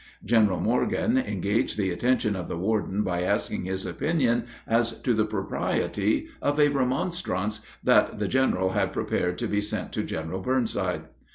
General Morgan engaged the attention of the warden by asking his opinion as to the propriety of a remonstrance that the general had prepared to be sent to General Burnside.